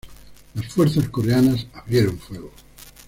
Las fuerzas coreanas abrieron fuego.